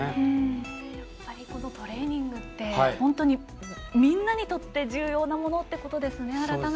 このトレーニングってみんなにとって重要なものってことですね。